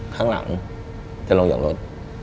ข้างหลังจะลงหย่องรถ